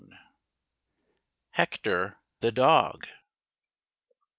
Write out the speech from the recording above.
HECTOR, THE DOG.